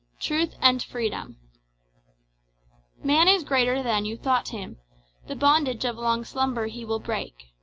Truth and Freedom "Man is greater than you thought him; The bondage of long slumber he will break.